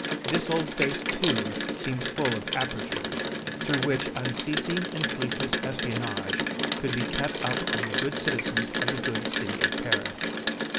This old face, too, seemed full of apertures, through which unceasing and sleepless espionage could be kept up on the good citizens of the good City of Paris.